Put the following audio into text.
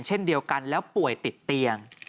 เช่นเดียวกันแล้วป่วยติดเตียง